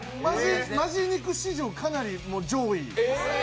「本気肉」史上、かなり上位。